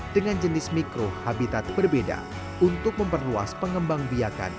dengan jenis mikro habitat berbeda untuk memperluas pengembang biakan